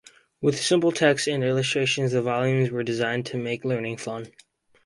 With simple texts and illustrations, the volumes were designed to make learning fun.